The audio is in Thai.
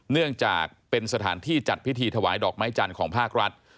เนื่องจากเป็นสถานที่จัดพิธีถวายดอกไม้จันทร์ของภาครัฐ